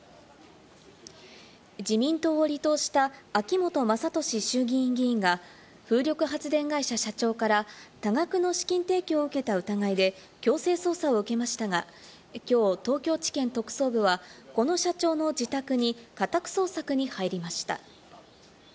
自民党を離党した秋本真利衆議院議員が風力発電会社社長から多額の資金提供を受けた疑いで強制捜査を受けましたが、きょう、東京地検特捜部はこの社長の自宅に、家宅捜索に入りました。